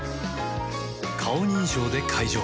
顔認証で解錠